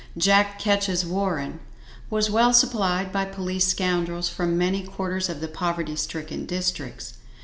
"Jack Ketch's warren" was well supplied by police scoundrels from many quarters of the poverty stricken districts.